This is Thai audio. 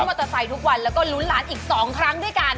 มอเตอร์ไซค์ทุกวันแล้วก็ลุ้นหลานอีก๒ครั้งด้วยกัน